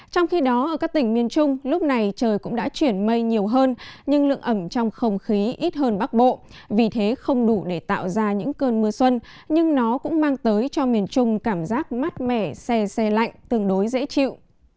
trong khi đó ở các tỉnh miền trung lúc này trời cũng đã chuyển mây nhiều hơn nhưng lượng ẩm trong không khí ít hơn bắc bộ vì thế không đủ để tạo ra những cơn mưa xuân nhưng nó cũng mang tới cho miền trung cảm giác mát mẻ xe xe lạnh tương đối dễ chịu